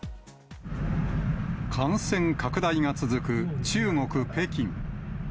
感染拡大が続く中国・北京。